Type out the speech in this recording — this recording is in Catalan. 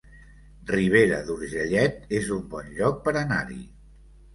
Ribera d'Urgellet es un bon lloc per anar-hi